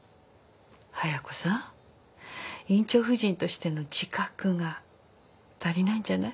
亜矢子さん院長夫人としての自覚が足りないんじゃない？